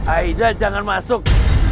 aizah jangan masuk